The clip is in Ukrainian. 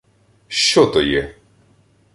— Що то є?